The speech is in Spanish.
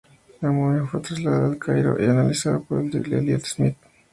La momia fue trasladada al Cairo y analizada por el Dr. Elliott Smith.